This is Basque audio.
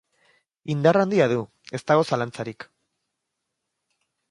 Indar handia du, ez dago zalantzarik.